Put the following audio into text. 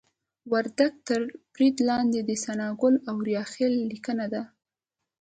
وردګ تر برید لاندې د ثناګل اوریاخیل لیکنه ده